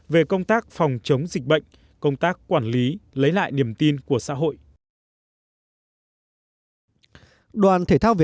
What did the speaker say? về công tác phòng chống dịch bệnh công tác quản lý lấy lại niềm tin của xã hội